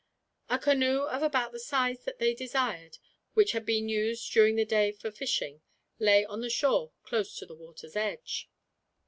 A canoe of about the size that they desired, which had been used during the day for fishing, lay on the shore close to the water's edge.